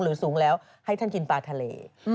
สูงแล้วให้ท่านกินปลาทะเล